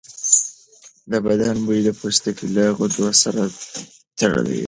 د بدن بوی د پوستکي له غدو سره تړلی دی.